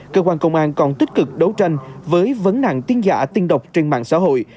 cơ quan công an còn tích cực đấu tranh với vấn nạn tin giả tin độc trên mạng xã hội